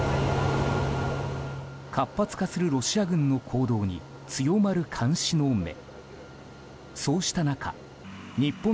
活発化するロシア軍の行動に強まる監視の目。